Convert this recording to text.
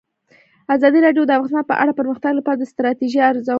ازادي راډیو د اقتصاد په اړه د پرمختګ لپاره د ستراتیژۍ ارزونه کړې.